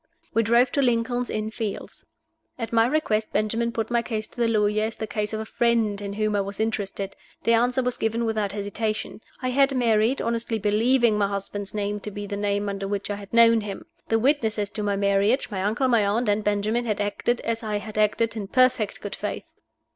We drove to Lincoln's Inn Fields. At my request Benjamin put my case to the lawyer as the case of a friend in whom I was interested. The answer was given without hesitation. I had married, honestly believing my husband's name to be the name under which I had known him. The witnesses to my marriage my uncle, my aunt, and Benjamin had acted, as I had acted, in perfect good faith.